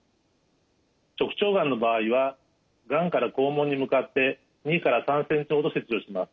直腸がんの場合はがんから肛門に向かって２３ｃｍほど切除します。